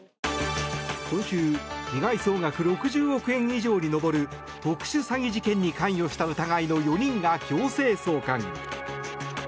今週被害総額６０億円以上に上る特殊詐欺事件に関与した疑いの４人が強制送還。